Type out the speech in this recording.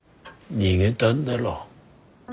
逃げだんだろ。